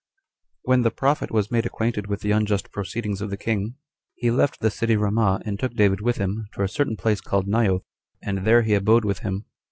5. When the prophet was made acquainted with the unjust proceedings of the king, he left the city Ramah, and took David with him, to a certain place called Naioth, and there he abode with him.